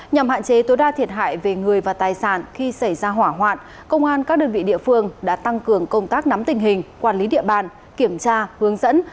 nhằm hạn chế tối đa thiệt hại về người và tài sản khi xảy ra hỏa hoạn công an các đơn vị địa phương đã tăng cường công tác nắm tình hình quản lý địa bàn kiểm tra hướng dẫn